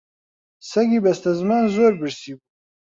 سەگی بەستەزمان زۆر برسی بوو